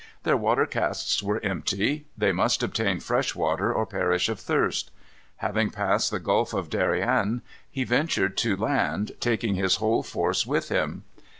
Their water casks were empty. They must obtain fresh water or perish of thirst. Having passed the Gulf of Darien, he ventured to land, taking his whole force with him.